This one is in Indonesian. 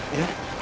eh eh eh papa